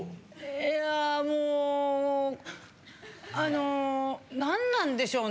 いやもうあのなんなんでしょうね。